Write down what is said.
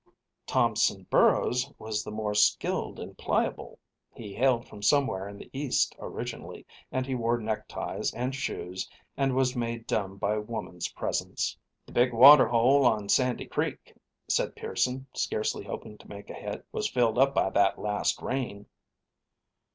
Thompson Burrows was the more skilled and pliable. He hailed from somewhere in the East originally; and he wore neckties and shoes, and was made dumb by woman's presence. "The big water hole on Sandy Creek," said Pearson, scarcely hoping to make a hit, "was filled up by that last rain."